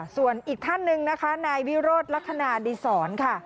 ส่วนอีกท่านหนึ่งนะคะนายวิโรธลักษณะดีศรค่ะ